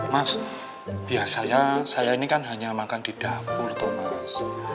mas biasanya saya ini kan hanya makan di dapur tuh mas